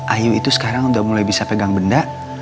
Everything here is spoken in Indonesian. ayu itu sekarang udah mulai bisa pegang benda